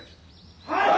はい！